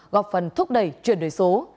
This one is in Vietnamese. góp phần thúc đẩy chuyển đổi số